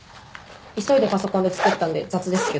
急いでパソコンでつくったんで雑ですけど。